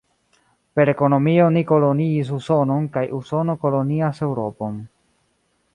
Per ekonomio ni koloniis Usonon kaj Usono kolonias Eŭropon.